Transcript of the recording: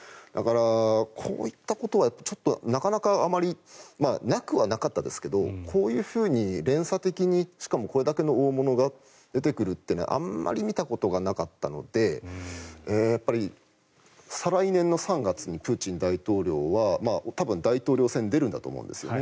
だから、こういったことはなかなかあまりなくはなかったですがこういうふうに連鎖的にしかもこれだけの大物が出てくるというのはあまり見たことがなかったので再来年の３月にプーチン大統領は多分、大統領選に出るんだと思うんです。